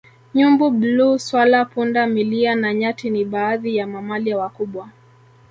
Nyumbu bluu swala punda milia na nyati ni baadhi ya mamalia wakubwa